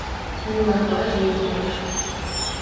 Не магла жыць больш.